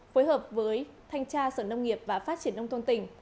phối hợp với thanh tra sở nông nghiệp và phát triển nông thôn tỉnh